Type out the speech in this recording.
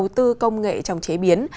tư công nghệ trong chế biến